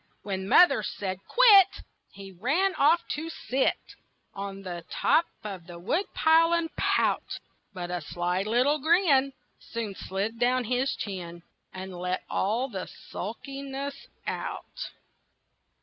When mother said "Quit!" He ran off to sit On the top of the woodpile and pout; But a sly little grin Soon slid down his chin And let all the sulkiness out.